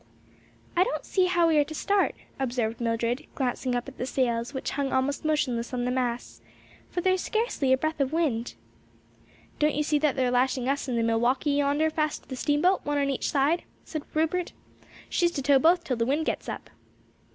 "I don't see how we are to start," observed Mildred, glancing up at the sails which hung almost motionless on the masts, "for there's scarcely a breath of wind." "Don't you see that they're lashing us and the Milwaukee yonder fast to the steamboat, one on each side?" said Rupert. "She's to tow both till the wind gets up."